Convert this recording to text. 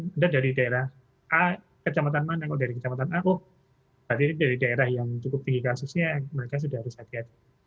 mungkin dari daerah a kejamatan mana kalau dari kejamatan a oh berarti dari daerah yang cukup tinggi kasusnya mereka sudah harus hati hati